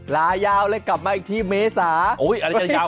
ลายาวเลยกลับมาอีกที่เม๊สำโอ้ยอะไรอย่างนั้น